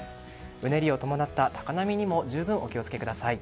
うねりを伴った高波にも十分お気を付けください。